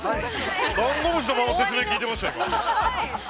◆ダンゴムシのまま説明を聞いていましたよ！